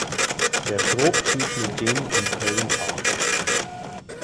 Der Trupp zieht mit Jin und Peng ab.